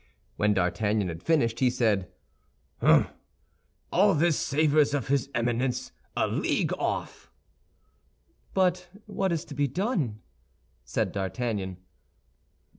When D'Artagnan had finished, he said, "Hum! All this savors of his Eminence, a league off." "But what is to be done?" said D'Artagnan.